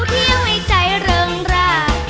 เที่ยวให้ใจเริงร่าง